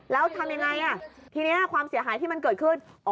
แล้วทำยังไงทีนี้ความเสียหายที่มันเกิดขึ้น